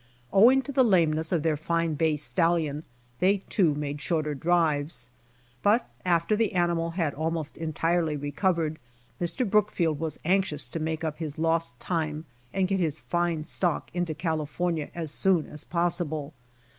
Owing to the lameness of their fine bay stallion, they, too, made shorter drives. Rut after the animal had almost entirely recovered, ]\Ir. Brookfield was anxious to make up his lost time and get his fine stock into California as soon as pos sible.